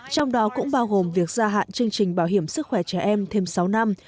trong đó cũng bao gồm việc gia hạn chương trình bảo hiểm sức khỏe trẻ em thêm sáu năm